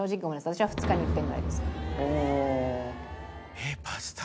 私は２日にいっぺんぐらいです。